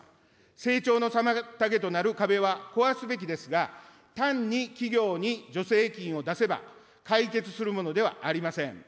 成長の妨げとなる壁は壊すべきですが、単に企業に助成金を出せば、解決するものではありません。